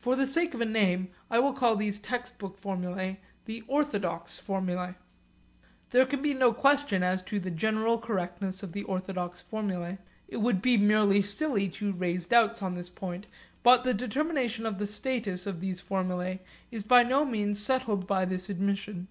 For the sake of a name, I will call these textbook formulae the 'orthodox' formulae. There can be no question as to the general approximate correctness of the orthodox formulae. It would be merely silly to raise doubts on this point. But the determination of the status of these formulae is by no means settled by this admission.